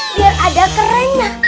biar ada kerennya